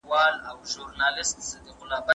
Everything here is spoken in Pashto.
خپلي زده کړي په ډېر پام سره کوه.